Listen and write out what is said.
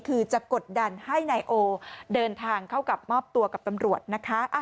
คือจะกดดันให้นายโอเดินทางเข้ากับมอบตัวกับตำรวจนะคะ